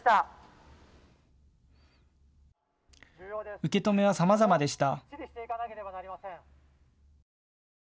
受け止めはさまざまでした。